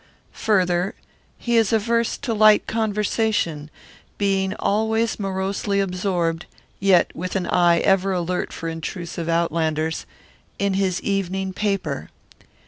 Further, he is averse to light conversation, being always morosely absorbed yet with an eye ever alert for intrusive outlanders in his evening paper.